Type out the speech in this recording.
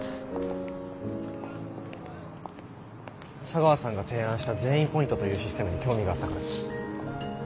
茶川さんが提案した「善意ポイント」というシステムに興味があったからです。